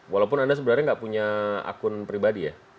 walaupun anda sebenarnya nggak punya akun pribadi ya